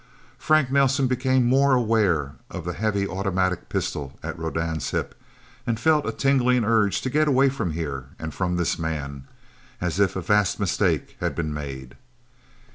Frank Nelsen became more aware of the heavy automatic pistol at Rodan's hip, and felt a tingling urge to get away from here and from this man as if a vast mistake had been made.